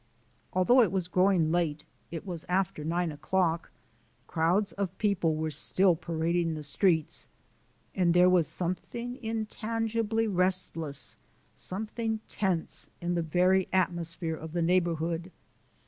Although it was growing late it was after nine o'clock crowds of people were still parading the streets, and there was something intangibly restless, something tense, in the very atmosphere of the neighbourhood.